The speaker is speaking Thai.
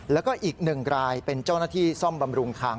แล้วก็อีกหนึ่งรายเป็นเจ้าหน้าที่ซ่อมบำรุงทาง